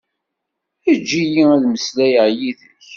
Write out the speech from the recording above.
Eǧǧ-iyi ad mmeslayeɣ yid-k.